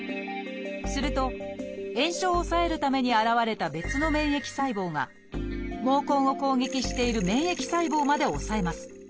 すると炎症を抑えるために現れた別の免疫細胞が毛根を攻撃している免疫細胞まで抑えます。